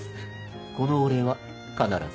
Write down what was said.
このお礼は必ず。